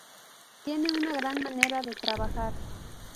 Tiene una gran manera de trabajar.